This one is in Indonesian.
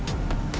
tapi lo tau gak